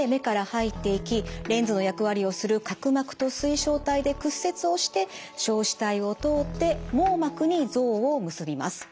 レンズの役割をする角膜と水晶体で屈折をして硝子体を通って網膜に像を結びます。